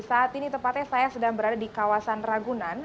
saat ini tepatnya saya sedang berada di kawasan ragunan